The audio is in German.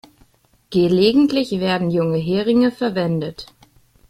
Gelegentlich werden junge Heringe verwendet.